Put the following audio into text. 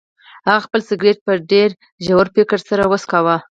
هغه خپل سګرټ په ډیر ژور فکر سره وڅکاوه.